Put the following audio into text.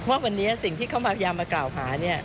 ว่าวันนี้สิ่งที่เขามาพยายามมากล่าวหาเนี่ย